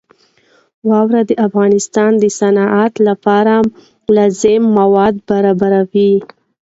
واوره د افغانستان د صنعت لپاره لازم مواد برابروي.